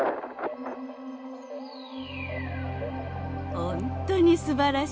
「本当にすばらしい！